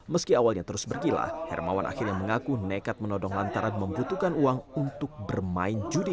meski awalnya terus berkilah hermawan akhirnya mengaku nekat menodong lantaran membutuhkan uang untuk bermain judi